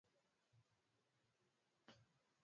Uganda kubuni kifaa cha kudhibiti uchafuzi wa hewa